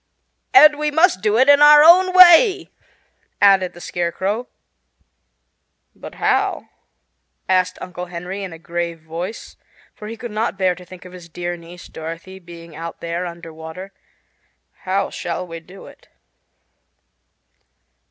"And we must do it in our own way," added the Scarecrow. "But how?" asked Uncle Henry in a grave voice, for he could not bear to think of his dear niece Dorothy being out there under water; "how shall we do it?"